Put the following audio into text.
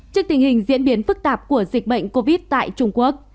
trước tình hình diễn biến phức tạp của dịch bệnh covid tại trung quốc